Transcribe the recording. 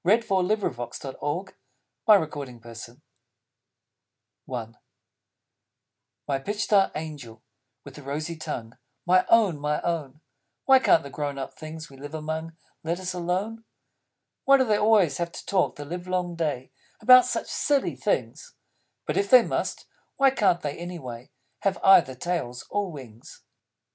[Illustration: THE MASTERPIECE] Ode on the Dog I My Pitch dark Angel with a Rosy Tongue, My Own my Own, Why can't the grown up Things we live among Let us alone? Why do they have to talk the livelong day About such silly things? But if they must, why can't they, anyway, Have either Tails or Wings?